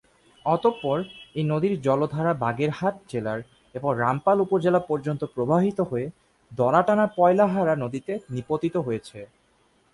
অতঃপর এই নদীর জলধারা বাগেরহাট জেলার এবং রামপাল উপজেলা পর্যন্ত প্রবাহিত হয়ে দড়াটানা-পয়লাহারা নদীতে নিপতিত হয়েছে।